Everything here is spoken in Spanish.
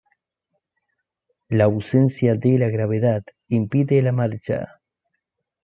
La ausencia de la gravedad impide la marcha.